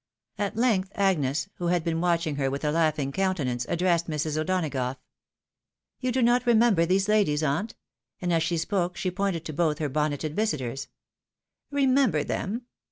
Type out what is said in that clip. At length Agnes, who had been ■watching her with a laughing countenance, addressed Mrs. O'Donagough :" You do not remember these ladies, aunt?" and as she spoke, she pointed to both her bonneted visitors. " Remember them